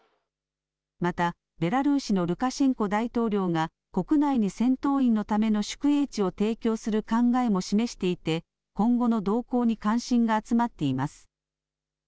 またベラルーシのルカシェンコ大統領が国内に戦闘員のための宿営地を提供する考えも示していて今後の動向に関心が集まっています。